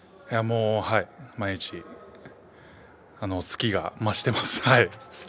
はい、毎日好きが増しています。